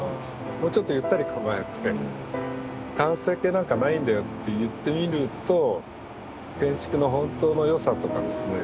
もうちょっとゆったり構えて完成形なんかないんだよって言ってみると建築の本当のよさとかですね